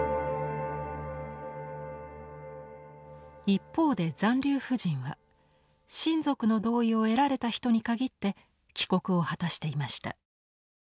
一方で残留婦人は親族の同意を得られた人に限って帰国を果たしていました。